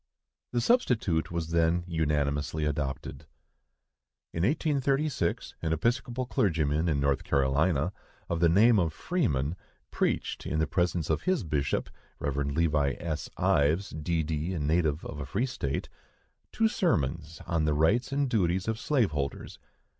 The substitute was then unanimously adopted. In 1836, an Episcopal clergyman in North Carolina, of the name of Freeman, preached, in the presence of his bishop (Rev. Levi. S. Ives, D.D., a native of a free state), two sermons on the rights and duties of slave holders.